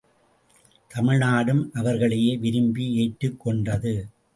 தமிழ் நாடும் அவர்களையே விரும்பி ஏற்றுக் கொண்டது.